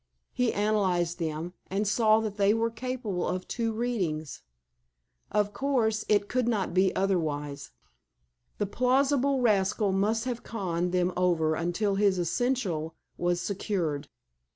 He analyzed them, and saw that they were capable of two readings. Of course, it could not be otherwise. The plausible rascal must have conned them over until this essential was secured.